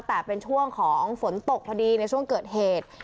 แต่เป็นช่วงของฝนตกพอดีในช่วงเกิดเหตุ